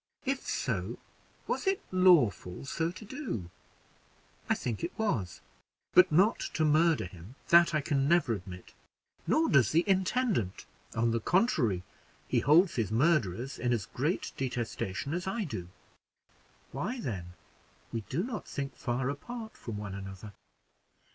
"If so, was it lawful so to do?" "I think it was, but not to murder him; that I can never admit, nor does the intendant; on the contrary, he holds his murderers in as great detestation as I do. Why, then, we do not think far apart from one another.